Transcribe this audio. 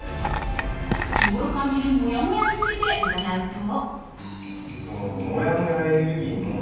日ごろ感じるもやもやについて伺うと。